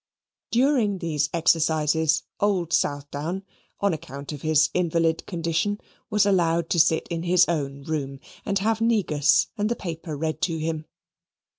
During these exercises old Southdown, on account of his invalid condition, was allowed to sit in his own room, and have negus and the paper read to him.